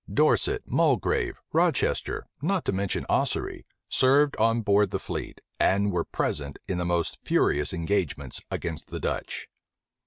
Dorset, Mulgrave, Rochester, not to mention Ossory, served on board the fleet, and were present in the most furious engagements against the Dutch.